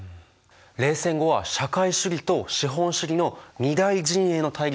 冷戦後は社会主義と資本主義の二大陣営の対立ではないんだよね。